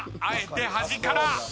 あえて端から。